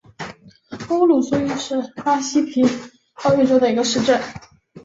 乌鲁苏伊是巴西皮奥伊州的一个市镇。